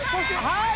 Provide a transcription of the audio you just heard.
はい。